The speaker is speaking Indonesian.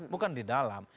bukan di dalam